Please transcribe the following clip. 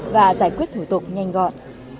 và giải quyết thủ tục nhanh gọn